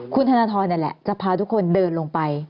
คุณธนทรจะพาทุกคนเดินลงไป